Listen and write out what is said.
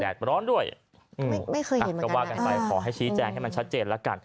แดดร้อนด้วยอื้มอ่ะก็วาดกันไปพอให้ชี้แจ้งให้มันชัดเจนแล้วกัน